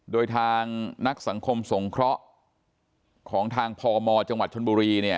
โดยทางนักสังคมสงเคราะห์ของทางพมจชนบุรี